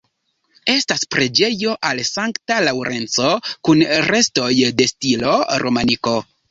Estas preĝejo al Sankta Laŭrenco kun restoj de stilo romaniko.